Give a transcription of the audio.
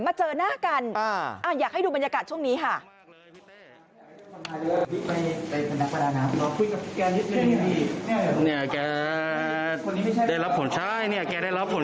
มาเจอหน้ากันอยากให้ดูบรรยากาศช่วงนี้ค่ะ